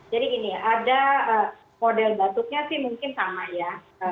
jadi gini ya ada model batuknya sih mungkin sama ya